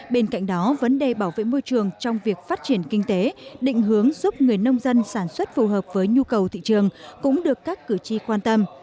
bên cạnh đó vấn đề bảo vệ môi trường trong việc phát triển kinh tế định hướng giúp người nông dân sản xuất phù hợp với nhu cầu thị trường cũng được các cử tri quan tâm